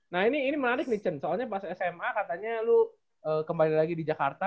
nah ini menarik nih chan soalnya pas sma katanya lu kembali lagi di jakarta